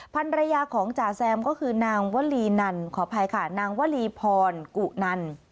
ภรรยาของจ่าแซมก็คือนางวลีนันขออภัยค่ะนางวลีพรกุนัน